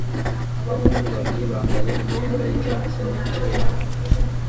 Abahungu babiri bambaye imyenda yicyatsi nicyera